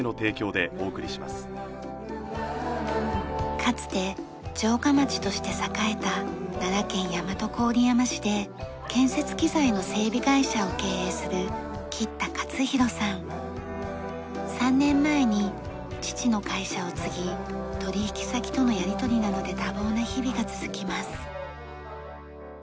かつて城下町として栄えた奈良県大和郡山市で建設機材の整備会社を経営する３年前に父の会社を継ぎ取引先とのやり取りなどで多忙な日々が続きます。